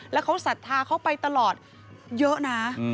แล้วเขาศรัทธาเขาไปตลอดเยอะนะ